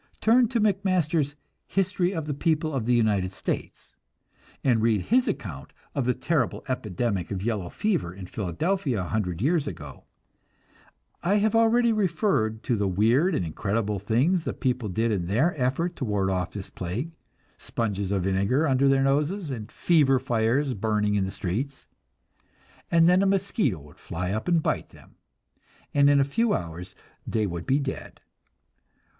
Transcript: Turn to McMasters' "History of the People of the United States" and read his account of the terrible epidemic of yellow fever in Philadelphia a hundred years ago; I have already referred to the weird and incredible things the people did in their effort to ward off this plague sponges of vinegar under their noses and "fever fires" burning in the streets; and then a mosquito would fly up and bite them, and in a few hours they would be dead!